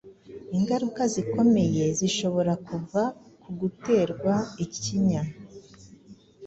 Ingaruka zikomeye zishobora kuva ku guterwa ikinya